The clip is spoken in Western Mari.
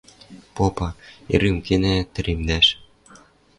Попа: «Эргӹм, кенӓ тӹредмӓш!»